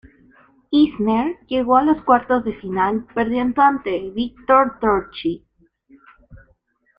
Isner llegó a los cuartos de final perdiendo ante Viktor Troicki.